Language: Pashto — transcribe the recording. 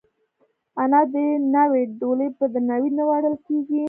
آیا د ناوې ډولۍ په درناوي نه وړل کیږي؟